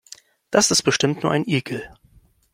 Das ist bestimmt nur ein Igel.